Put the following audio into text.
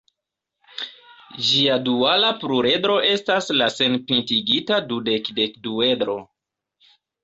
Ĝia duala pluredro estas la senpintigita dudek-dekduedro.